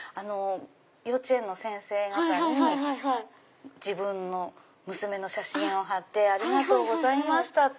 幼稚園の先生方に自分の娘の写真を貼って「ありがとうございました」って。